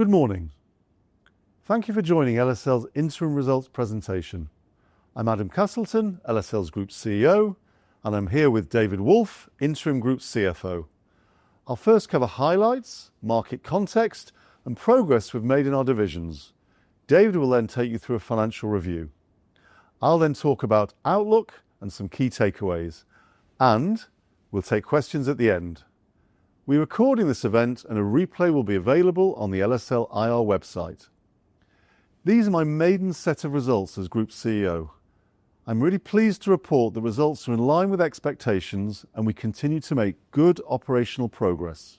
Good morning. Thank you for joining LSL's Interim Results Presentation. I'm Adam Castleton, LSL's Group CEO, and I'm here with David Wolffe, Interim Group CFO. I'll first cover highlights, market context, and progress we've made in our divisions. David will then take you through a financial review. I'll then talk about outlook and some key takeaways, and we'll take questions at the end. We're recording this event, and a replay will be available on the LSL IR website. These are my maiden set of results as Group CEO. I'm really pleased to report the results are in line with expectations, and we continue to make good operational progress.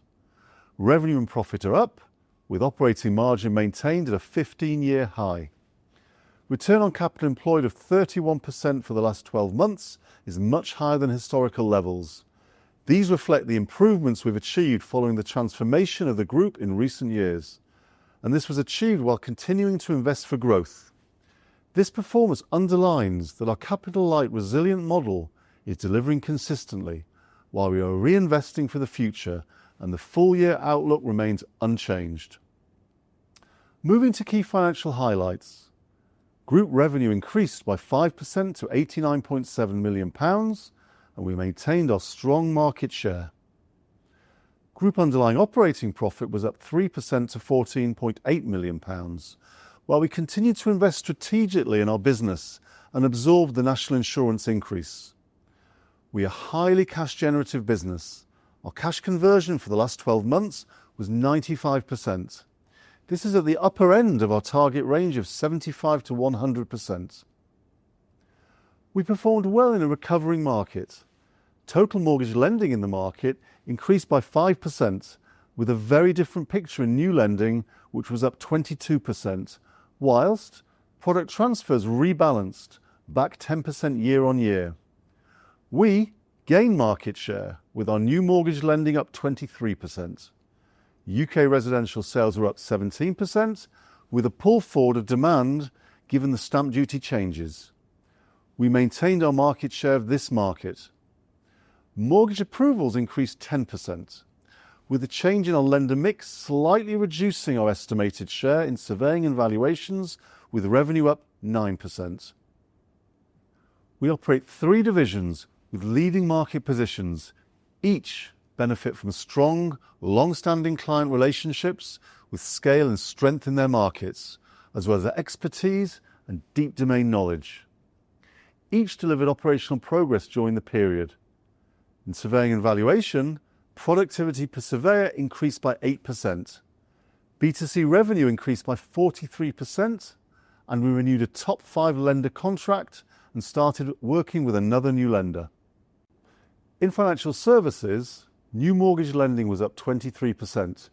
Revenue and profit are up, with operating margin maintained at a 15-year high. Return on capital employed of 31% for the last 12 months is much higher than historical levels. These reflect the improvements we've achieved following the transformation of the Group in recent years, and this was achieved while continuing to invest for growth. This performance underlines that our capital-light resilient model is delivering consistently, while we are reinvesting for the future, and the full-year outlook remains unchanged. Moving to key financial highlights, Group revenue increased by 5% to 89.7 million pounds, and we maintained our strong market share. Group underlying operating profit was up 3% to 14.8 million pounds, while we continue to invest strategically in our business and absorb the National Insurance increase. We are a highly cash-generative business. Our cash conversion for the last 12 months was 95%. This is at the upper end of our target range of 75%-100%. We performed well in a recovering market. Total mortgage lending in the market increased by 5%, with a very different picture in new lending, which was up 22%, whilst product transfers rebalanced back 10% year-on-year. We gained market share with our new mortgage lending up 23%. U.K. residential sales were up 17%, with a pull forward of demand given the Stamp Duty changes. We maintained our market share of this market. Mortgage approvals increased 10%, with a change in our lender mix slightly reducing our estimated share in surveying and valuation, with revenue up 9%. We operate three divisions with leading market positions. Each benefits from strong, long-standing client relationships with scale and strength in their markets, as well as expertise and deep domain knowledge. Each delivered operational progress during the period. In surveying and valuation, productivity per surveyor increased by 8%. B2C revenue increased by 43%, and we renewed a top five lender contract and started working with another new lender. In financial services, new mortgage lending was up 23%.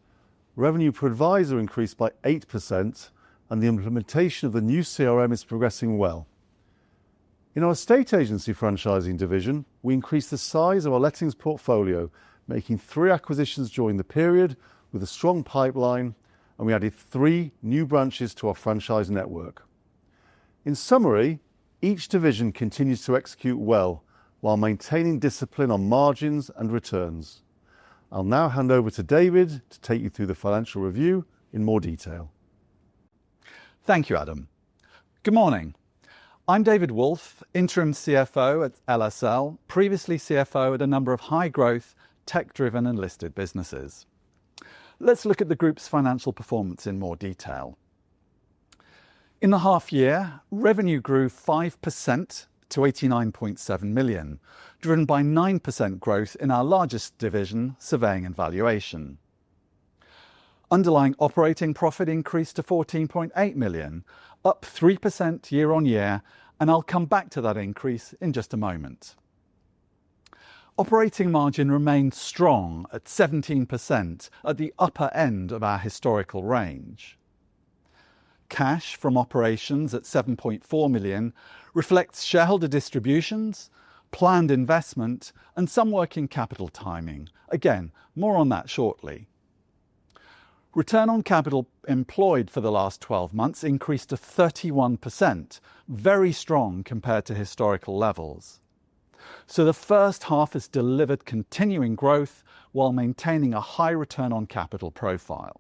Revenue per advisor increased by 8%, and the implementation of the new CRM is progressing well. In our Estate Agency Franchising division, we increased the size of our lettings portfolio, making three acquisitions during the period with a strong pipeline, and we added three new branches to our franchise network. In summary, each division continues to execute well while maintaining discipline on margins and returns. I'll now hand over to David to take you through the financial review in more detail. Thank you, Adam. Good morning. I'm David Wolffe, Interim CFO at LSL, previously CFO at a number of high-growth, tech-driven, and listed businesses. Let's look at the Group's financial performance in more detail. In the half year, revenue grew 5% to 89.7 million, driven by 9% growth in our largest division, surveying and valuation. Underlying operating profit increased to 14.8 million, up 3% year-on-year, and I'll come back to that increase in just a moment. Operating margin remained strong at 17%, at the upper end of our historical range. Cash from operations at 7.4 million reflects shareholder distributions, planned investment, and some working capital timing. Again, more on that shortly. Return on capital employed for the last 12 months increased to 31%, very strong compared to historical levels. So the first half has delivered continuing growth while maintaining a high return on capital profile.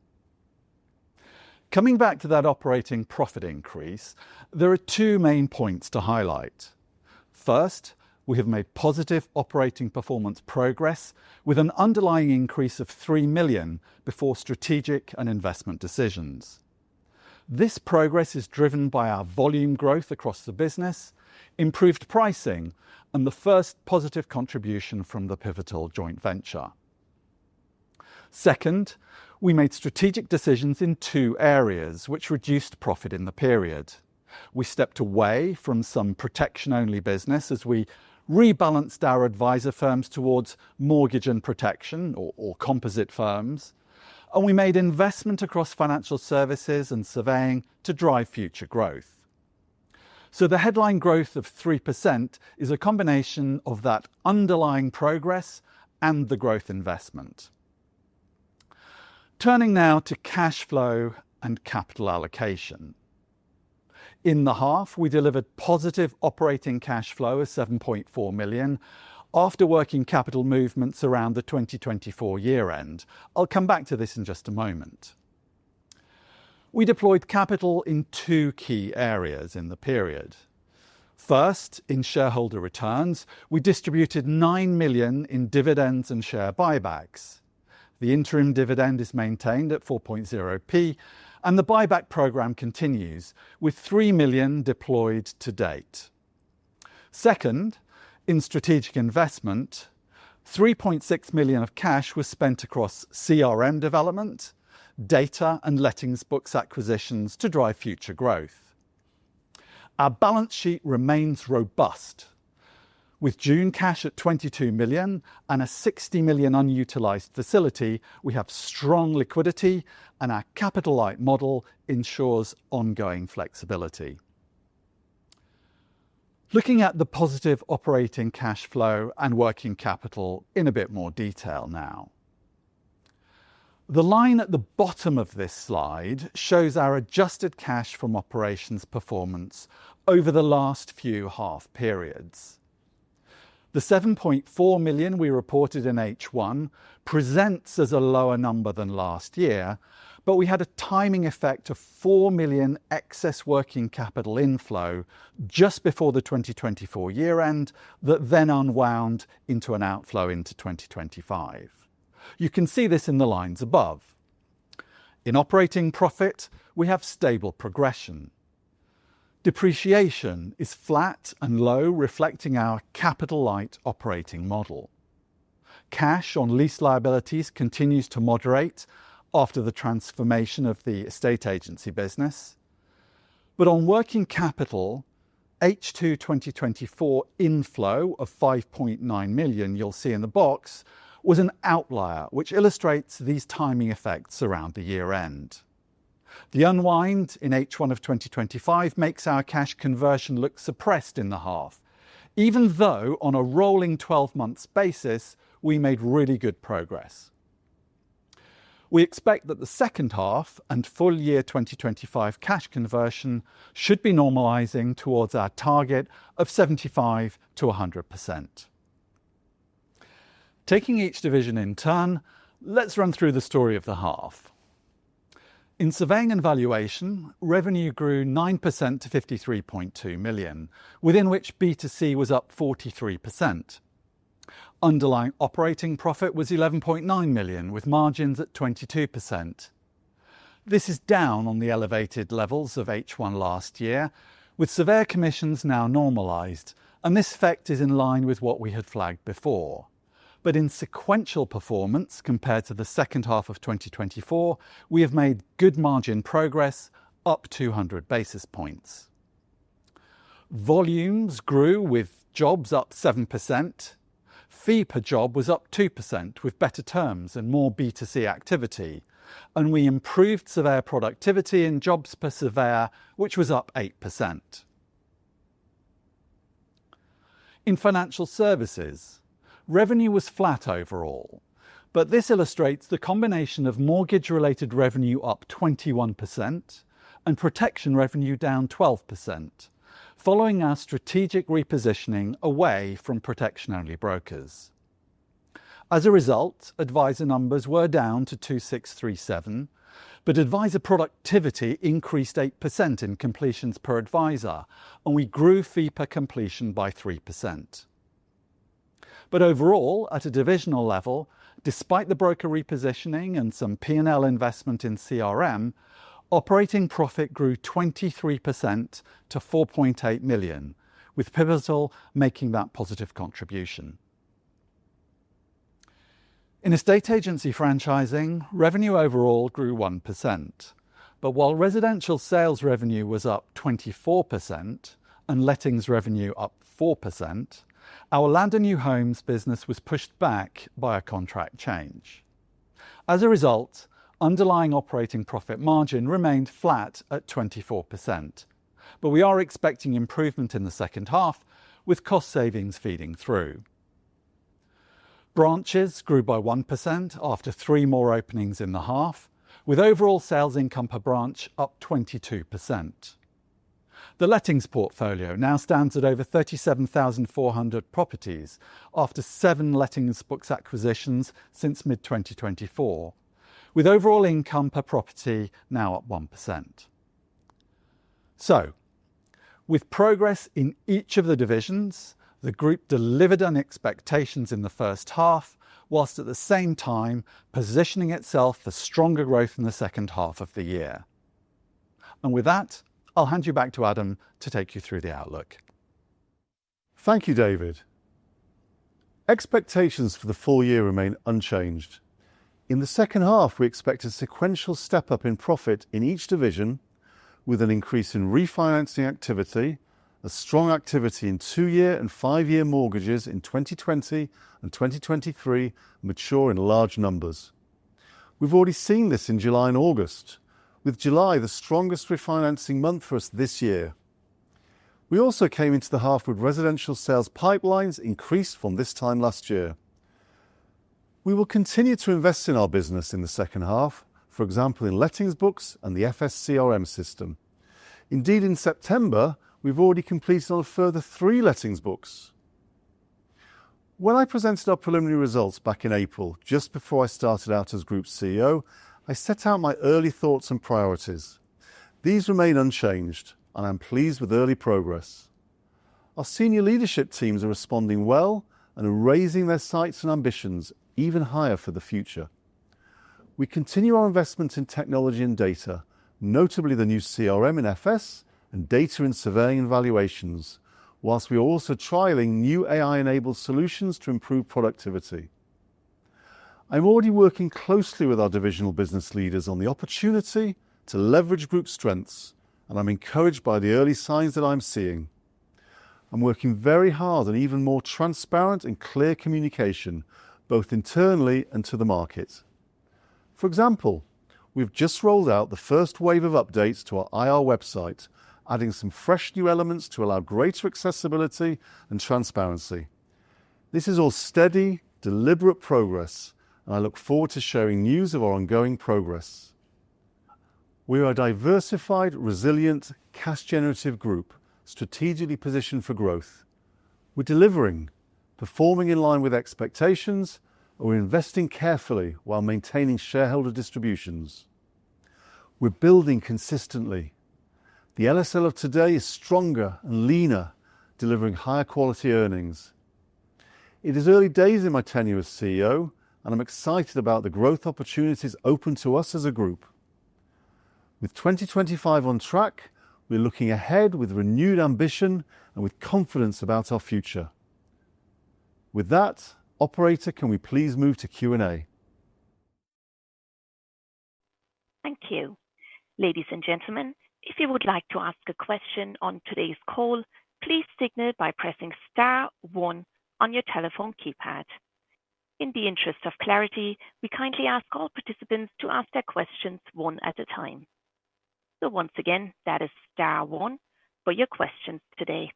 Coming back to that operating profit increase, there are two main points to highlight. First, we have made positive operating performance progress with an underlying increase of 3 million before strategic and investment decisions. This progress is driven by our volume growth across the business, improved pricing, and the first positive contribution from the Pivotal joint venture. Second, we made strategic decisions in two areas, which reduced profit in the period. We stepped away from some protection-only business as we rebalanced our advisor firms towards mortgage and protection or composite firms, and we made investment across financial services and surveying to drive future growth. So the headline growth of 3% is a combination of that underlying progress and the growth investment. Turning now to cash flow and capital allocation. In the half, we delivered positive operating cash flow of 7.4 million after working capital movements around the 2024 year-end. I'll come back to this in just a moment. We deployed capital in two key areas in the period. First, in shareholder returns, we distributed 9 million in dividends and share buybacks. The interim dividend is maintained at 4.0p, and the buyback program continues with 3 million deployed to date. Second, in strategic investment, 3.6 million of cash was spent across CRM development, data, and lettings books acquisitions to drive future growth. Our balance sheet remains robust. With June cash at 22 million and a 60 million unutilized facility, we have strong liquidity, and our capital-light model ensures ongoing flexibility. Looking at the positive operating cash flow and working capital in a bit more detail now. The line at the bottom of this slide shows our adjusted cash from operations performance over the last few half periods. The 7.4 million we reported in H1 presents as a lower number than last year, but we had a timing effect of 4 million excess working capital inflow just before the 2024 year-end that then unwound into an outflow into 2025. You can see this in the lines above. In operating profit, we have stable progression. Depreciation is flat and low, reflecting our capital-light operating model. Cash on lease liabilities continues to moderate after the transformation of the estate agency business. But on working capital, H2 2024 inflow of 5.9 million you'll see in the box was an outlier, which illustrates these timing effects around the year-end. The unwind in H1 of 2025 makes our cash conversion look suppressed in the half, even though on a rolling 12-month basis, we made really good progress. We expect that the second half and full-year 2025 cash conversion should be normalizing towards our target of 75%-100%. Taking each division in turn, let's run through the story of the half. In surveying and valuation, revenue grew 9% to 53.2 million, within which B2C was up 43%. Underlying operating profit was 11.9 million, with margins at 22%. This is down on the elevated levels of H1 last year, with surveyor commissions now normalized, and this effect is in line with what we had flagged before. But in sequential performance compared to the second half of 2024, we have made good margin progress, up 200 basis points. Volumes grew with jobs up 7%. Fee per job was up 2% with better terms and more B2C activity, and we improved surveyor productivity in jobs per surveyor, which was up 8%. In financial services, revenue was flat overall, but this illustrates the combination of mortgage-related revenue up 21% and protection revenue down 12%, following our strategic repositioning away from protection-only brokers. As a result, advisor numbers were down to 2637, but advisor productivity increased 8% in completions per advisor, and we grew fee per completion by 3%. But overall, at a divisional level, despite the broker repositioning and some P&L investment in CRM, operating profit grew 23% to 4.8 million, with Pivotal making that positive contribution. In Estate Agency Franchising, revenue overall grew 1%, but while residential sales revenue was up 24% and lettings revenue up 4%, our Land and New Homes business was pushed back by a contract change. As a result, underlying operating profit margin remained flat at 24%, but we are expecting improvement in the second half, with cost savings feeding through. Branches grew by 1% after three more openings in the half, with overall sales income per branch up 22%. The lettings portfolio now stands at over 37,400 properties after seven lettings books acquisitions since mid-2024, with overall income per property now up 1%. So, with progress in each of the divisions, the Group delivered on expectations in the first half, whilst at the same time positioning itself for stronger growth in the second half of the year. And with that, I'll hand you back to Adam to take you through the outlook. Thank you, David. Expectations for the full year remain unchanged. In the second half, we expect a sequential step-up in profit in each division, with an increase in refinancing activity, a strong activity in two-year and five-year mortgages in 2020 and 2023 maturing large numbers. We've already seen this in July and August, with July the strongest refinancing month for us this year. We also came into the half with residential sales pipelines increased from this time last year. We will continue to invest in our business in the second half, for example, in lettings books and the FS CRM system. Indeed, in September, we've already completed on a further three lettings books. When I presented our preliminary results back in April, just before I started out as Group CEO, I set out my early thoughts and priorities. These remain unchanged, and I'm pleased with early progress. Our senior leadership teams are responding well and are raising their sights and ambitions even higher for the future. We continue our investments in technology and data, notably the new CRM and FS and data in surveying and valuations, while we are also trialing new AI-enabled solutions to improve productivity. I'm already working closely with our divisional business leaders on the opportunity to leverage Group strengths, and I'm encouraged by the early signs that I'm seeing. I'm working very hard on even more transparent and clear communication, both internally and to the market. For example, we've just rolled out the first wave of updates to our IR website, adding some fresh new elements to allow greater accessibility and transparency. This is all steady, deliberate progress, and I look forward to sharing news of our ongoing progress. We are a diversified, resilient, cash-generative group strategically positioned for growth. We're delivering, performing in line with expectations, and we're investing carefully while maintaining shareholder distributions. We're building consistently. The LSL of today is stronger and leaner, delivering higher quality earnings. It is early days in my tenure as CEO, and I'm excited about the growth opportunities open to us as a group. With 2025 on track, we're looking ahead with renewed ambition and with confidence about our future. With that, operator, can we please move to Q&A? Thank you. Ladies and gentlemen, if you would like to ask a question on today's call, please signal by pressing star one on your telephone keypad. In the interest of clarity, we kindly ask all participants to ask their questions one at a time. So once again, that is star one for your questions today.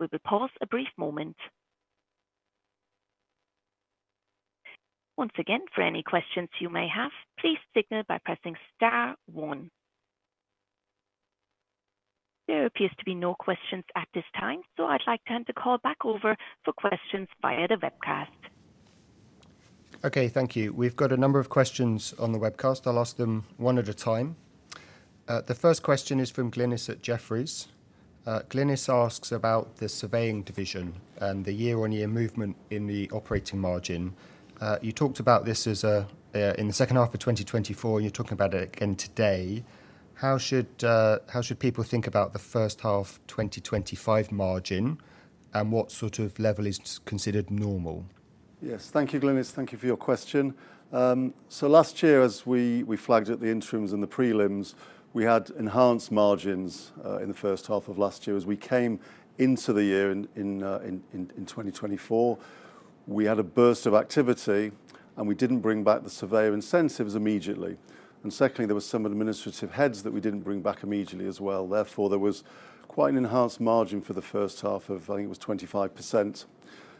We will pause a brief moment. Once again, for any questions you may have, please signal by pressing star one. There appears to be no questions at this time, so I'd like to hand the call back over for questions via the webcast. Okay, thank you. We've got a number of questions on the webcast. I'll ask them one at a time. The first question is from Glynis at Jefferies. Glynis asks about the surveying division and the year-on-year movement in the operating margin. You talked about this in the second half of 2024, and you're talking about it again today. How should people think about the first half 2025 margin, and what sort of level is considered normal? Yes, thank you, Glynis. Thank you for your question. So last year, as we flagged at the interims and the prelims, we had enhanced margins in the first half of last year. As we came into the year in 2024, we had a burst of activity, and we didn't bring back the surveyor incentives immediately. And secondly, there were some administrative heads that we didn't bring back immediately as well. Therefore, there was quite an enhanced margin for the first half of, I think it was 25%.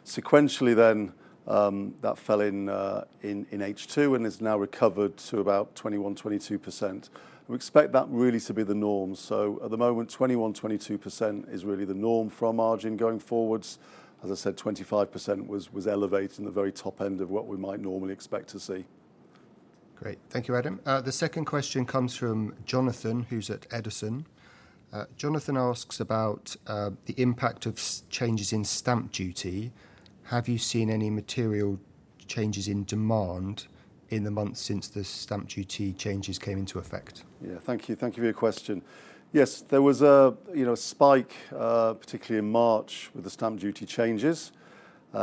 Sequentially then, that fell in H2 and has now recovered to about 21%, 22%. We expect that really to be the norm. So at the moment, 21%, 22% is really the norm for our margin going forwards. As I said, 25% was elevated in the very top end of what we might normally expect to see. Great. Thank you, Adam. The second question comes from Jonathan, who's at Edison. Jonathan asks about the impact of changes in Stamp Duty. Have you seen any material changes in demand in the months since the Stamp Duty changes came into effect? Yeah, thank you. Thank you for your question. Yes, there was a spike, particularly in March, with the Stamp Duty changes.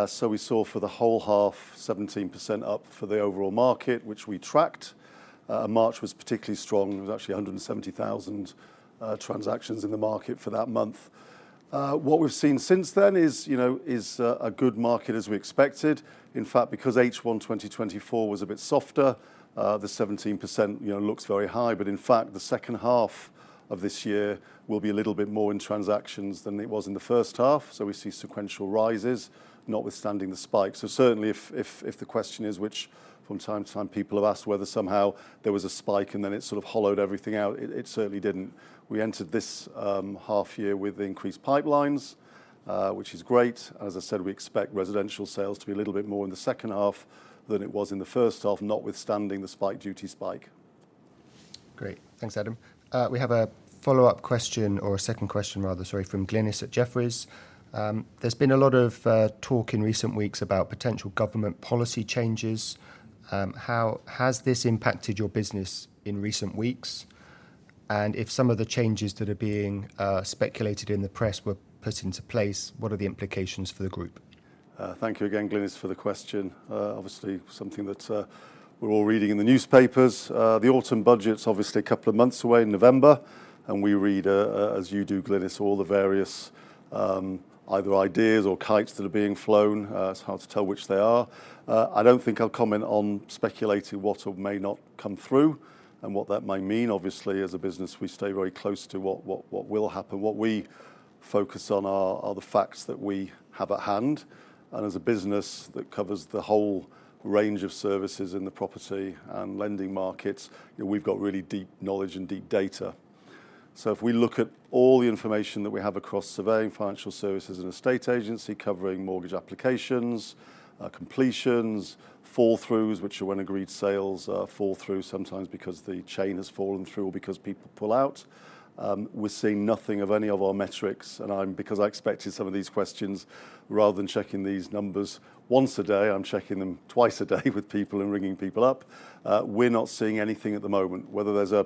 So we saw for the whole half, 17% up for the overall market, which we tracked. March was particularly strong. There was actually 170,000 transactions in the market for that month. What we've seen since then is a good market as we expected. In fact, because H1 2024 was a bit softer, the 17% looks very high, but in fact, the second half of this year will be a little bit more in transactions than it was in the first half. So we see sequential rises, notwithstanding the spike. So certainly, if the question is, which from time to time people have asked whether somehow there was a spike and then it sort of hollowed everything out, it certainly didn't. We entered this half year with increased pipelines, which is great. As I said, we expect residential sales to be a little bit more in the second half than it was in the first half, notwithstanding the Stamp Duty spike. Great. Thanks, Adam. We have a follow-up question, or a second question rather, sorry, from Glynis at Jefferies. There's been a lot of talk in recent weeks about potential government policy changes. How has this impacted your business in recent weeks? And if some of the changes that are being speculated in the press were put into place, what are the implications for the Group? Thank you again, Glynis, for the question. Obviously, something that we're all reading in the newspapers. The autumn budget's obviously a couple of months away in November, and we read, as you do, Glynis, all the various either ideas or kites that are being flown. It's hard to tell which they are. I don't think I'll comment on speculating what may not come through and what that might mean. Obviously, as a business, we stay very close to what will happen. What we focus on are the facts that we have at hand. And as a business that covers the whole range of services in the property and lending markets, we've got really deep knowledge and deep data. So if we look at all the information that we have across surveying financial services and estate agency covering mortgage applications, completions, fall-throughs, which are when agreed sales fall through sometimes because the chain has fallen through or because people pull out, we're seeing nothing of any of our metrics. And because I expected some of these questions, rather than checking these numbers once a day, I'm checking them twice a day with people and ringing people up. We're not seeing anything at the moment. Whether there's a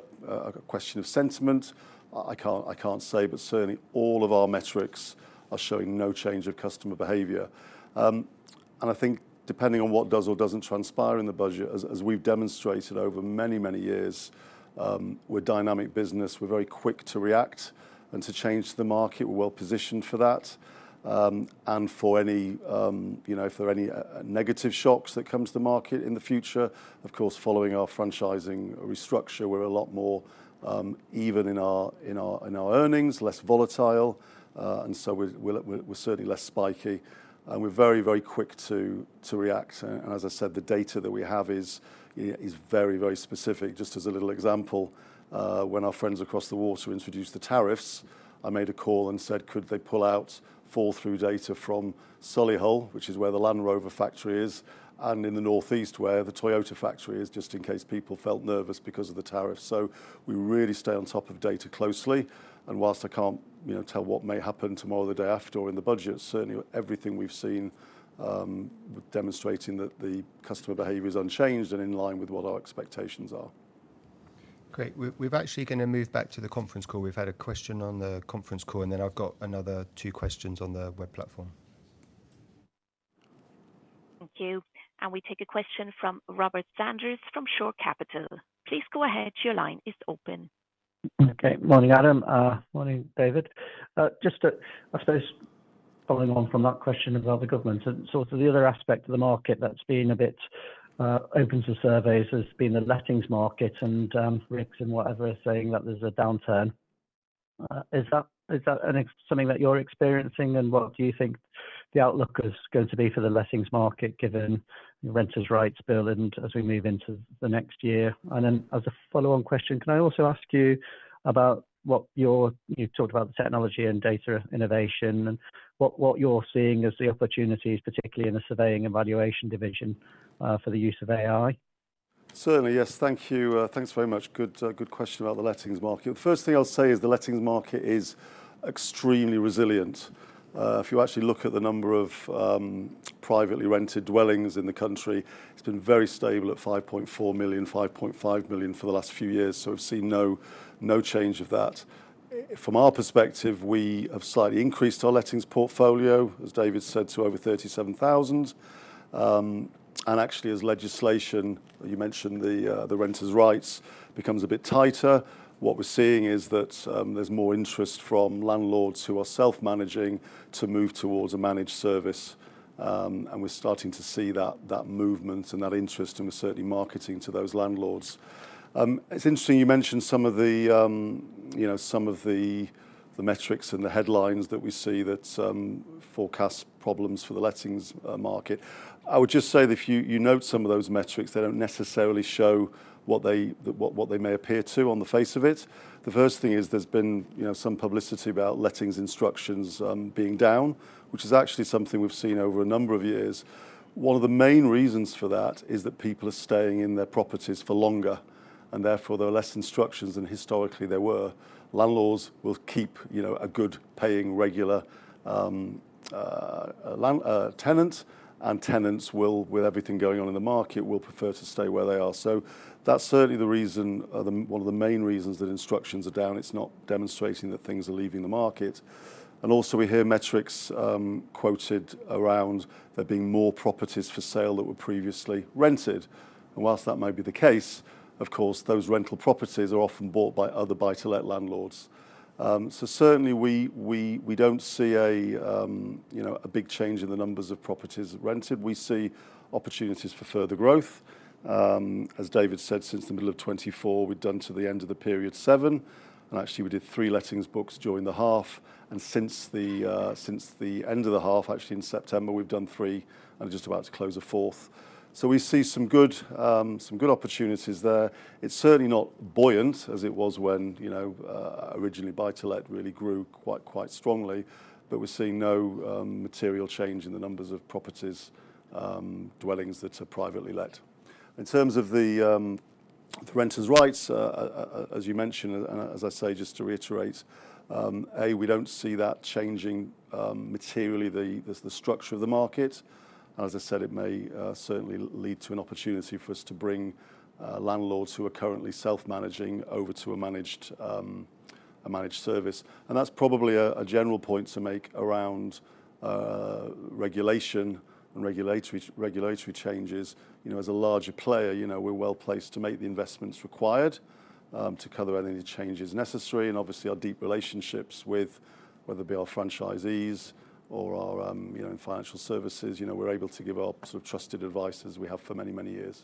question of sentiment, I can't say, but certainly all of our metrics are showing no change of customer behavior. And I think depending on what does or doesn't transpire in the budget, as we've demonstrated over many, many years, we're a dynamic business. We're very quick to react and to change the market. We're well positioned for that. For any negative shocks that come to the market in the future, of course, following our franchising restructure, we're a lot more even in our earnings, less volatile, and so we're certainly less spiky, and we're very, very quick to react. As I said, the data that we have is very, very specific. Just as a little example, when our friends across the water introduced the tariffs, I made a call and said, could they pull out fall-through data from Solihull, which is where the Land Rover factory is, and in the North East where the Toyota factory is, just in case people felt nervous because of the tariffs. We really stay on top of data closely. Whilst I can't tell what may happen tomorrow, the day after, or in the budget, certainly everything we've seen demonstrating that the customer behavior is unchanged and in line with what our expectations are. Great. We're actually going to move back to the conference call. We've had a question on the conference call, and then I've got another two questions on the web platform. Thank you. And we take a question from Robert Sanders from Shore Capital. Please go ahead. Your line is open. Okay. Morning, Adam. Morning, David. Just, I suppose, following on from that question about the government. So the other aspect of the market that's been a bit open to surveys has been the lettings market and RICS and whatever is saying that there's a downturn. Is that something that you're experiencing, and what do you think the outlook is going to be for the lettings market given Renters' Rights Bill and as we move into the next year? And then as a follow-on question, can I also ask you about what you've talked about, the technology and data innovation, and what you're seeing as the opportunities, particularly in the surveying and valuation division for the use of AI? Certainly, yes. Thank you. Thanks very much. Good question about the lettings market. The first thing I'll say is the lettings market is extremely resilient. If you actually look at the number of privately rented dwellings in the country, it's been very stable at 5.4 million, 5.5 million for the last few years. So we've seen no change of that. From our perspective, we have slightly increased our lettings portfolio, as David said, to over 37,000, and actually, as legislation, you mentioned the Renters' Rights, becomes a bit tighter. What we're seeing is that there's more interest from landlords who are self-managing to move towards a managed service, and we're starting to see that movement and that interest, and we're certainly marketing to those landlords. It's interesting you mentioned some of the metrics and the headlines that we see that forecast problems for the lettings market. I would just say that if you note some of those metrics, they don't necessarily show what they may appear to on the face of it. The first thing is there's been some publicity about lettings instructions being down, which is actually something we've seen over a number of years. One of the main reasons for that is that people are staying in their properties for longer, and therefore there are less instructions than historically there were. Landlords will keep a good paying regular tenant, and tenants will, with everything going on in the market, prefer to stay where they are. So that's certainly one of the main reasons that instructions are down. It's not demonstrating that things are leaving the market, and also, we hear metrics quoted around there being more properties for sale that were previously rented. While that might be the case, of course, those rental properties are often bought by other buy-to-let landlords. Certainly, we don't see a big change in the numbers of properties rented. We see opportunities for further growth. As David said, since the middle of 2024, we've done to the end of the period seven. Actually, we did three lettings books during the half. Since the end of the half, actually in September, we've done three, and we're just about to close a fourth. We see some good opportunities there. It's certainly not buoyant as it was when originally buy-to-let really grew quite strongly, but we're seeing no material change in the numbers of properties, dwellings that are privately let. In terms of the Renters' Rights, as you mentioned, and as I say, just to reiterate, A, we don't see that changing materially, the structure of the market. And as I said, it may certainly lead to an opportunity for us to bring landlords who are currently self-managing over to a managed service. And that's probably a general point to make around regulation and regulatory changes. As a larger player, we're well placed to make the investments required to cover any changes necessary. And obviously, our deep relationships with whether it be our franchisees or in financial services, we're able to give our trusted advice as we have for many, many years.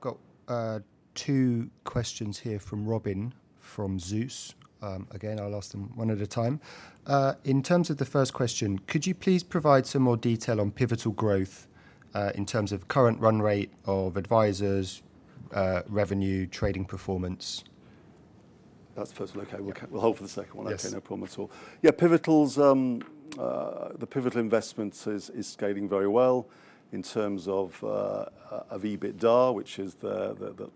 Got two questions here from Robin from Zeus. Again, I'll ask them one at a time. In terms of the first question, could you please provide some more detail on Pivotal Growth in terms of current run rate of advisors, revenue, trading performance? That's the first one. Okay. We'll hold for the second one. Okay. No problem at all. Yeah, the Pivotal investment is scaling very well in terms of EBITDA, which is the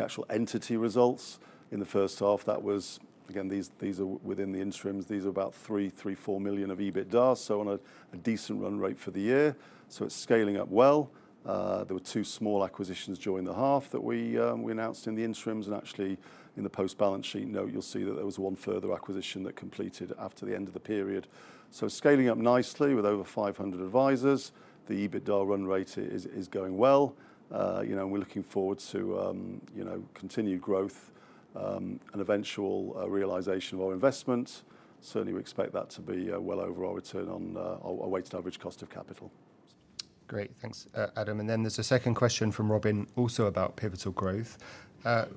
actual entity results in the first half. That was, again, these are within the interims. These are about 3 million-4 million of EBITDA, so on a decent run rate for the year. So it's scaling up well. There were two small acquisitions during the half that we announced in the interims. And actually, in the post-balance sheet, you'll see that there was one further acquisition that completed after the end of the period. So scaling up nicely with over 500 advisors. The EBITDA run rate is going well. We're looking forward to continued growth and eventual realization of our investment. Certainly, we expect that to be well over our return on our weighted average cost of capital. Great. Thanks, Adam. And then there's a second question from Robin also about Pivotal Growth.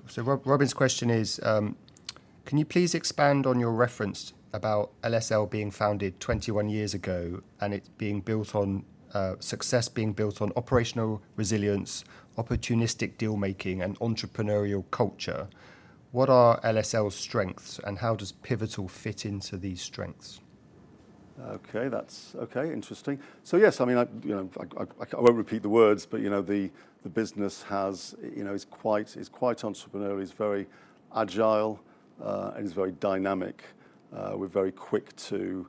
So Robin's question is, can you please expand on your reference about LSL being founded 21 years ago and its success being built on operational resilience, opportunistic dealmaking, and entrepreneurial culture? What are LSL's strengths and how does Pivotal fit into these strengths? Okay. Okay. Interesting. So yes, I mean, I won't repeat the words, but the business is quite entrepreneurial, is very agile, and is very dynamic. We're very quick to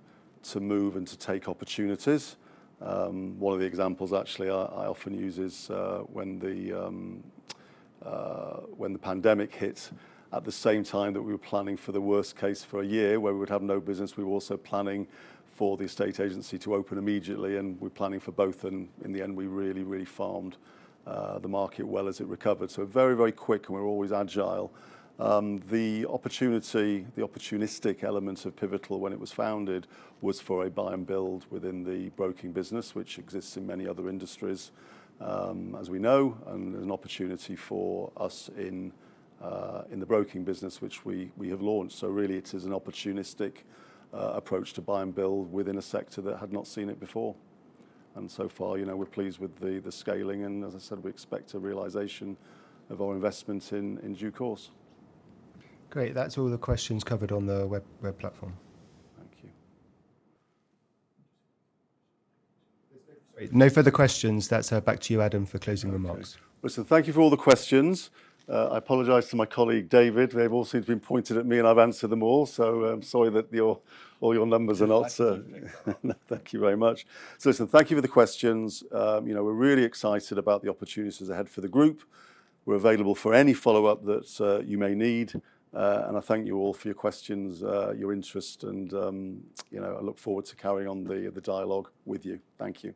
move and to take opportunities. One of the examples actually I often use is when the pandemic hit, at the same time that we were planning for the worst case for a year where we would have no business, we were also planning for the estate agency to open immediately, and we were planning for both, and in the end, we really, really farmed the market well as it recovered, so very, very quick, and we're always agile. The opportunistic element of Pivotal when it was founded was for a buy-and-build within the broking business, which exists in many other industries, as we know, and an opportunity for us in the broking business, which we have launched. So really, it is an opportunistic approach to buy-and-build within a sector that had not seen it before. And so far, we're pleased with the scaling. And as I said, we expect a realization of our investment in due course. Great. That's all the questions covered on the web platform. Thank you. No further questions. That's back to you, Adam, for closing remarks. Listen, thank you for all the questions. I apologize to my colleague David. They've all seemed to be pointed at me, and I've answered them all. So sorry that all your numbers are not. Thank you very much. So listen, thank you for the questions. We're really excited about the opportunities ahead for the Group. We're available for any follow-up that you may need. And I thank you all for your questions, your interest, and I look forward to carrying on the dialogue with you. Thank you.